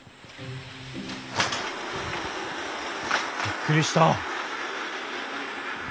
びっくりした。